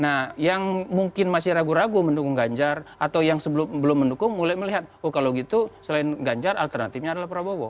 nah yang mungkin masih ragu ragu mendukung ganjar atau yang sebelum mendukung mulai melihat oh kalau gitu selain ganjar alternatifnya adalah prabowo